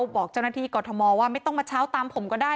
บอกเจ้าหน้าที่กรทมว่าไม่ต้องมาเช้าตามผมก็ได้